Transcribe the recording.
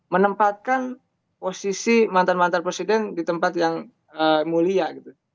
menempatkan posisi mantan mantan presiden di tempat yang mulia gitu